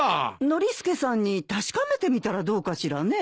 ノリスケさんに確かめてみたらどうかしらね。